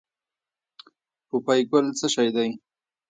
پوپی ګل څه شی دی؟